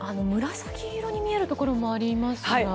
紫色に見えるところもありますが。